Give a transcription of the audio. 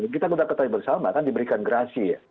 kita sudah ketahui bersama kan diberikan gerasi ya